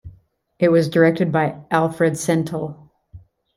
It was directed by Alfred Santell.